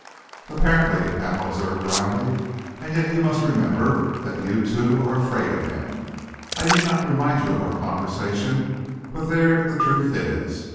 "Apparently," Hamel observed drily. "And yet you must remember that you, too, are afraid of him. I need not remind you of our conversations, but there the truth is.